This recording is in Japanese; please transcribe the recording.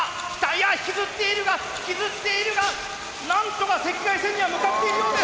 いや引きずっているが引きずっているがなんとか赤外線には向かっているようです！